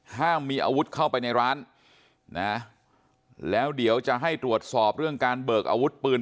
ห้ามมีอาวุธเข้าไปในร้านนะแล้วเดี๋ยวจะให้ตรวจสอบเรื่องการเบิกอาวุธปืน